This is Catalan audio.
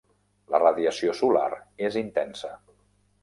La radiació solar és intensa.